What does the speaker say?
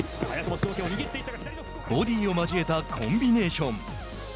ボディーを交えたコンビネーション。